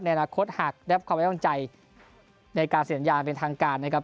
ในอนาคตหากได้ความไว้ต้องใจในการเสียสัญญาณเป็นทางการนะครับ